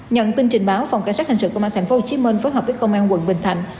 nhận tin trình báo phòng cảnh sát hình sự công an tp hcm phối hợp với công an quận bình thạnh